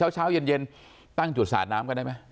เช้าเย็นตั้งจุดสาดน้ำกันได้ไหม